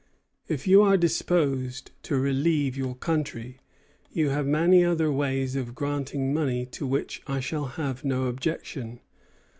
If you are disposed to relieve your country, you have many other ways of granting money to which I shall have no objection.